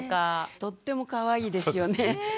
とってもかわいいですよね。